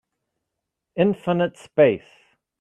Infinite space